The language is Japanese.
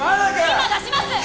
今出します